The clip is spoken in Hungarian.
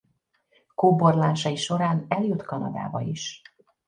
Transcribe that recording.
Kóborlásai során eljut Kanadába is.